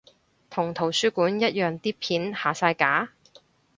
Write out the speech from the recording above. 同圖書館一樣啲片下晒架？